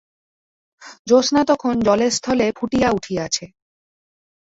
জো্যাৎসনা তখন জলে স্থলে ফুটিয়া উঠিয়াছে।